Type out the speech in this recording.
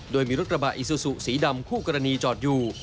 โดยมีรถกระบะอิซูซูสีดำคู่กรณีจอดอยู่